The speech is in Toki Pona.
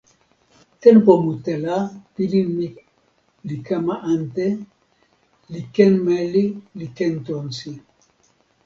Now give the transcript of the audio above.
tenpo mute la pilin mi li kama ante, li ken meli li ken tonsi.